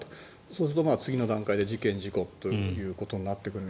そうすると次の段階で事件・事故となってくる。